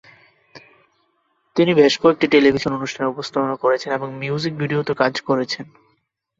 তিনি বেশ কয়েকটি টেলিভিশন অনুষ্ঠানে উপস্থাপনা করেছেন এবং মিউজিক ভিডিওতে কাজ করেছেন।